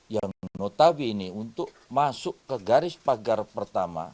yang notabene untuk masuk ke garis pagar pertama